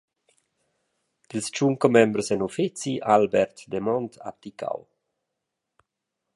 Dils tschun commembers en uffeci ha Albert Demont abdicau.